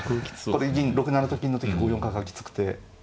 ここで銀６七と金の時５四角がきつくて。